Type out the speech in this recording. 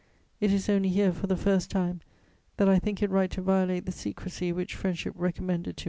It is only here, for the first time, that I think it right to violate the secrecy which friendship recommended to me.